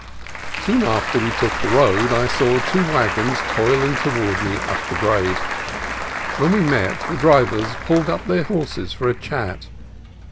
Soon after we took the road I saw two wagons toiling toward me up the grade. When we met, the drivers pulled up their horses for a chat.